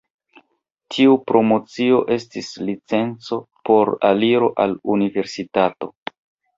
Tiu promocio estis licenco por aliro al universitato.